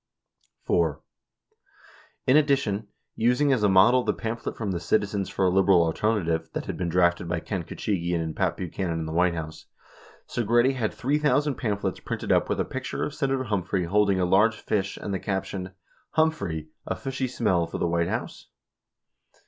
89 4. In addition, using as a model the pamphlet from the "Citizens for a Liberal Alternative" that had been drafted by Ken Khachigian and Pat Buchanan in the White House, Segretti had 3,000 pamphlets printed up with a picture of Senator Humphrey holding a large fish and the caption, "Humphrey: A fishy smell for the White House?"